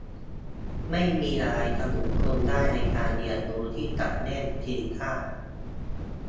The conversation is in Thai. ไม่มีอะไรจะหยุดคุณได้ในการเรียนรู้ที่จะเล่นกีตาร์